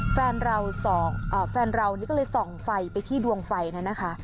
แฟนเรานี่ก็เลยส่องไฟไปที่ดวงไฟนั้นนะคะ